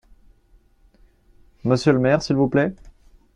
Monsieur le maire, s’il vous plaît ?